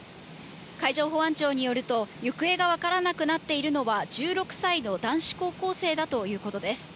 海上保安庁によると、行方が分からなくなっているのは、１６歳の男子高校生だということです。